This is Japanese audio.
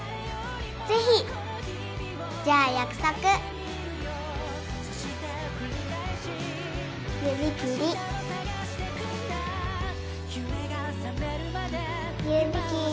ぜひ！じゃあ約束指切り指切り